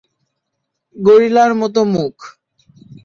গরিলার মতো মুখ।